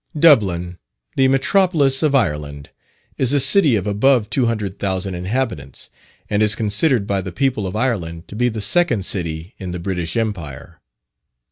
Dublin, the Metropolis of Ireland, is a city of above two hundred thousand inhabitants, and is considered by the people of Ireland to be the second city in the British Empire.